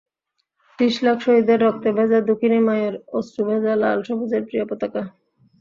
ত্রিশ লাখ শহীদের রক্তে ভেজা দুঃখিনী মায়ের অশ্রুভেজা লাল সবুজের প্রিয় পতাকা।